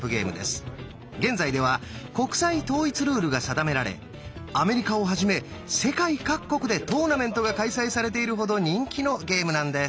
現在では国際統一ルールが定められアメリカをはじめ世界各国でトーナメントが開催されているほど人気のゲームなんです。